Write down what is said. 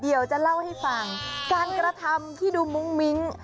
เดี๋ยวจะเล่าให้ฟังการกระทำที่ดูมุ้งมิ้ง